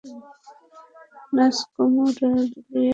নাচ কোমড় দুলিয়ে, ভাই।